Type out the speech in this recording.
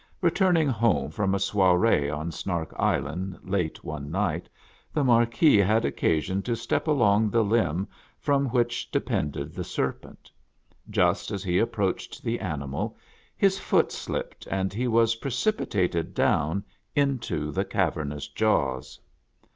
Returning home from a soiree on Snark Isl?nd late one night, the Marquis had occasion to step along the limb from which depended the serpent. Just as he approached the animal, his foot slipped, and he was precipitated down into the cavernous jaws.